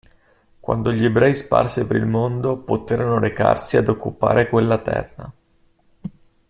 Quando gli ebrei sparsi per il mondo poterono recarsi ad occupare quella terra.